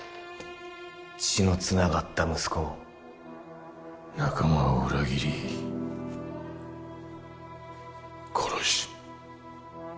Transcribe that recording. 血のつながった息子を仲間を裏切り殺し